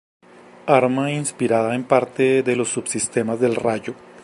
Arma inspirada en parte de los subsistemas del Rayo.